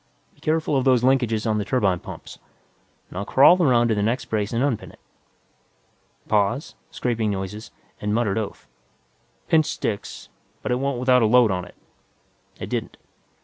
Be careful of those linkages on the turbine pumps. Now crawl around to the next brace and unpin it." Pause, scraping noises, and a muttered oath. "Pin sticks, but it won't without a load on it." It didn't.